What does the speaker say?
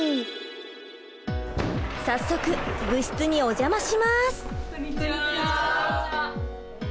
早速部室にお邪魔します！